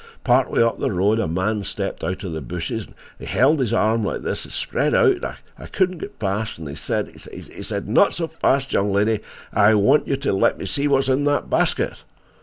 Part way up the road a man stepped out of the bushes, and held his arm like this, spread out, so I couldn't get past. He said—he said—'Not so fast, young lady; I want you to let me see what's in that basket.